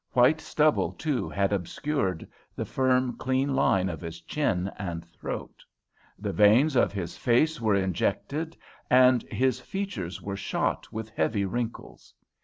White stubble, too, had obscured the firm, clean line of his chin and throat. The veins of his face were injected and his features were shot with heavy wrinkles.